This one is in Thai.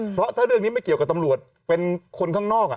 เพราะถ้าเรื่องนี้ไม่เกี่ยวกับตำรวจเป็นคนข้างนอก